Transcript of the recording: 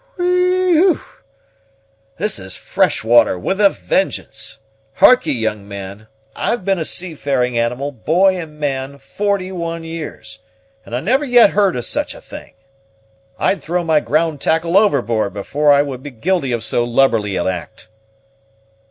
"Whe e e w! this is fresh water, with a vengeance! Hark'e, young man, I've been a seafaring animal, boy and man, forty one years, and I never yet heard of such a thing. I'd throw my ground tackle overboard before I would be guilty of so lubberly an act!"